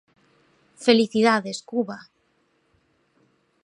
Felicidades Cuba.